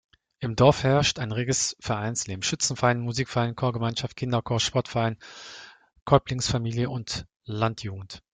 Im Dorf herrscht ein reges Vereinsleben: Schützenverein, Musikverein, Chorgemeinschaft, Kinderchor, Sportverein, Kolpingsfamilie und Landjugend.